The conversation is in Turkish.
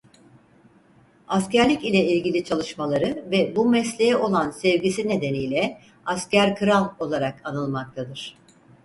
Askerlik ile ilgili çalışmaları ve bu mesleğe olan sevgisi nedeniyle Asker-kral olarak anılmaktadır.